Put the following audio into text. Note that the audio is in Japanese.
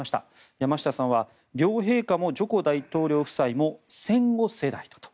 山下さんは両陛下もジョコ大統領夫妻も戦後世代だと。